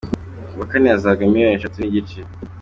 Uwa kane azahabwa miliyoni eshatu n’igice.